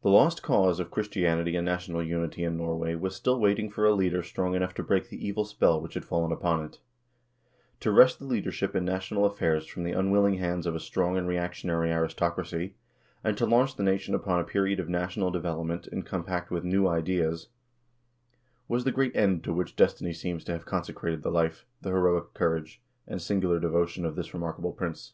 The lost cause of Chris tianity and national unity in Norway was still waiting for a leader strong enough to break the evil spell which had fallen upon it. To wrest the leadership in national affairs from the unwilling hands of a strong and reactionary aristocracy, and to launch the nation upon a period of national development in compact with new ideas was the great end to which destiny seems to have consecrated the life, the heroic courage, and singular devotion of this remarkable prince.